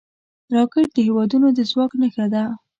راکټ د هیوادونو د ځواک نښه ده